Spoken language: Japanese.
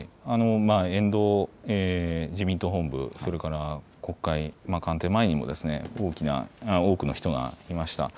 沿道、自民党本部、それから国会、官邸前にも多くの人がいました。